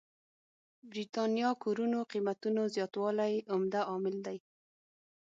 برېتانيا کورونو قېمتونو زياتوالی عمده عامل دی.